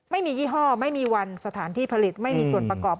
ไม่มียี่ห้อไม่มีวันสถานที่ผลิตไม่มีส่วนประกอบ